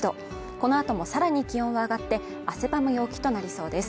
この後もさらに気温が上がって、汗ばむ陽気となりそうです。